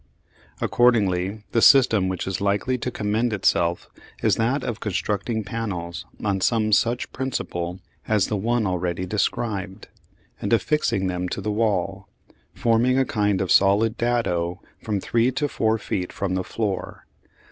Accordingly the system which is likely to commend itself is that of constructing panels on some such principle as the one already described, and affixing them to the wall, forming a kind of solid dado from three to four feet from the floor.